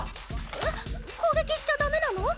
えっ攻撃しちゃダメなの？